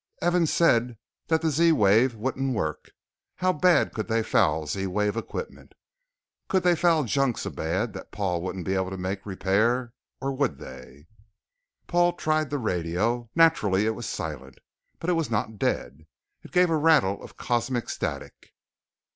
Evans said that the Z wave wouldn't work; how bad could they foul Z wave equipment? Could they foul the junk so bad that Paul wouldn't be able to make repair? Or would they Paul tried the radio. Naturally it was silent. But it was not dead. It gave a rattle of cosmic static.